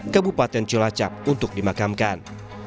kabupaten cilacap untuk dimakamkan